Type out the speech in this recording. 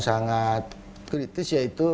sangat kritis yaitu